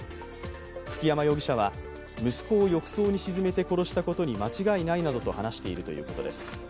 久木山容疑者は息子を浴槽に沈めて殺したことに間違いないなどと話しているということです。